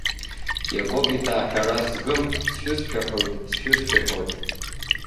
Иакобитаа ҳәара згым, Сшәызшәаҳәоит, сшәызшәаҳәоит.